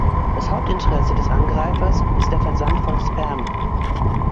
Das Hauptinteresse des Angreifers ist der Versand von Spam.